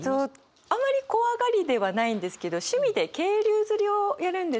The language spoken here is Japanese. あんまり怖がりではないんですけど趣味で渓流釣りをやるんですけど。